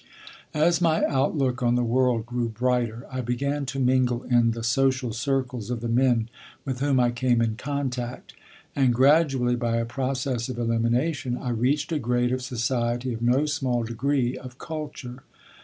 As my outlook on the world grew brighter, I began to mingle in the social circles of the men with whom I came in contact; and gradually, by a process of elimination, I reached a grade of society of no small degree of culture.